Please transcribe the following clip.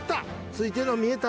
ついてるの見えた。